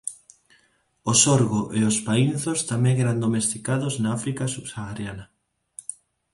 O sorgo e os paínzos tamén eran domesticados na África subsahariana.